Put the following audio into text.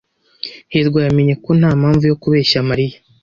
hirwa yamenye ko nta mpamvu yo kubeshya Mariya.